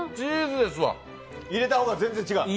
入れたほうが違う？